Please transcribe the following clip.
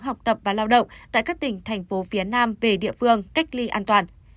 học tập và lao động tại các tỉnh thành phố phía nam về địa phương cách ly an toàn